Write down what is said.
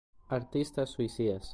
Artistas suicidas